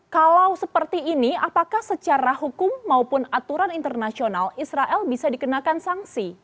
kalau seperti ini apakah secara hukum maupun aturan internasional israel bisa dikenakan sanksi